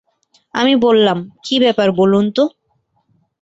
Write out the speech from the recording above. আমি বললাম, কী ব্যাপার বলুন তো?